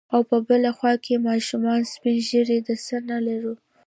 او په بله خوا کې ماشومان، سپين ږيري، د څه نه لرو.